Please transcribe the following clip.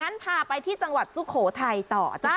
พาไปที่จังหวัดสุโขทัยต่อจ้า